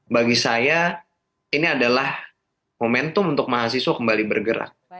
bagi saya ini adalah momentum untuk mahasiswa kembali bergerak